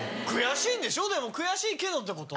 悔しいけどってこと？